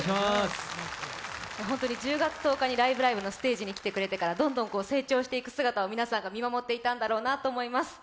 １０月１０日に「ライブ！ライブ！」のステージに来てくれてからどんどん成長する姿を見守ってもらっていたんだろうなと思います。